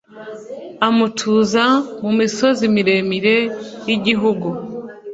amutuza mu misozi miremire y'igihugu